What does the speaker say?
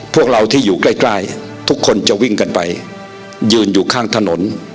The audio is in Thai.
พวกเราที่อยู่ใกล้ใกล้ทุกคนจะวิ่งกันไปยืนอยู่ข้างถนน